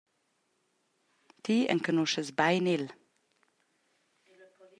Ti enconuschas bein el.